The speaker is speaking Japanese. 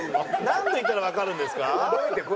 何度言ったらわかるんですか？